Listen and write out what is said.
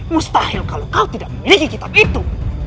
mustahil kalau kau tidak memiliki kitab itu